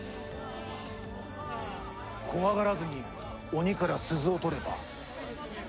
怖がらずに鬼から鈴を取れば。